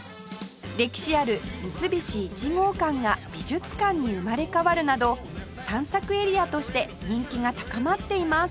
歴史ある三菱一号館が美術館に生まれ変わるなど散策エリアとして人気が高まっています